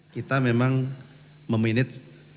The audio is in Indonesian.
kita memang memenit